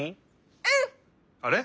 うん！あれ？